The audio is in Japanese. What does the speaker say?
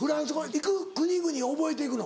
行く国々覚えていくの？